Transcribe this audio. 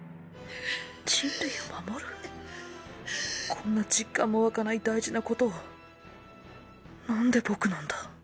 こんな実感も湧かない大事なことを何で僕なんだ。